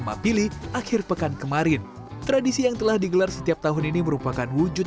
mapili akhir pekan kemarin tradisi yang telah digelar setiap tahun ini merupakan wujud